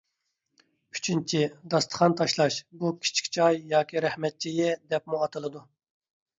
ئۈچىنچى، داستىخان تاشلاش. بۇ «كىچىك چاي» ياكى «رەھمەت چېيى» دەپمۇ ئاتىلىدۇ.